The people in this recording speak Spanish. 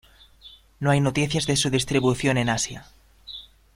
No hay noticias de su distribución en Asia.